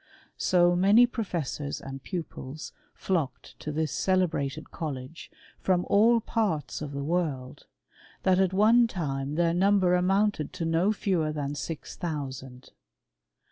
So many pro* fes^rs and pupils flocked to this celebrated college, from all parts of the world, that at one time their num ber amounted to no fewer than six thousand.